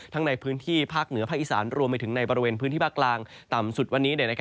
ในพื้นที่ภาคเหนือภาคอีสานรวมไปถึงในบริเวณพื้นที่ภาคกลางต่ำสุดวันนี้